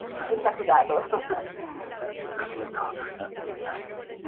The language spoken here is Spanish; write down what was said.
Texto real en www.elenganche.es